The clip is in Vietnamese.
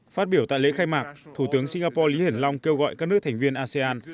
phát biểu tại lễ khai mạc thủ tướng singapore lý hiển long kêu gọi các nước thành viên asean